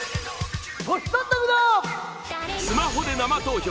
スマホで生投票！